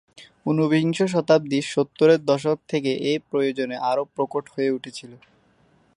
ঊনবিংশ শতাব্দীর সত্তরের দশক থেকে এ প্রয়োজন আরও প্রকট হয়ে উঠেছিল।